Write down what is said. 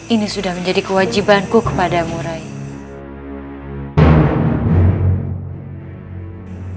ini sudah menjadi kewajibanku kepadamu rahim